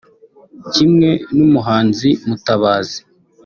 Kimwe n’umuhanzi Mutabazi